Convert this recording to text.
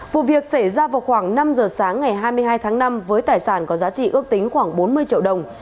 vụ việc xảy ra vào khoảng năm giờ sáng ngày hai mươi hai tháng năm với tài sản có giá trị ước tính khoảng bốn mươi triệu đồng